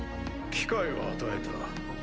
機会は与えた。